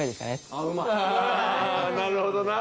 なるほどな。